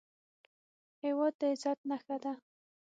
هېواد د عزت نښه ده